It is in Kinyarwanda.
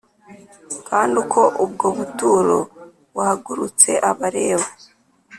Kandi uko ubwo buturo buhagurutse Abalewi